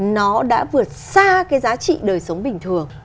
nó đã vượt xa cái giá trị đời sống bình thường